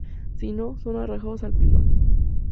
Si no, son arrojados al pilón.